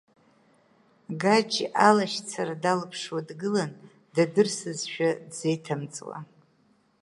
Гаџь алашьцара далыԥшуа дгылан дадырсызшәа, дзеиҭамҵуа.